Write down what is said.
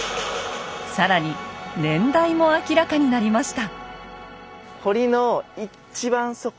更に年代も明らかになりました。